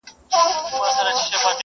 رسنۍ عامه افکار جوړوي.